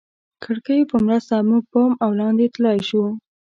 کړکیو په مرسته موږ بام او لاندې تلای شوای.